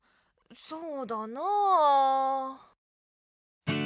そうだなあ。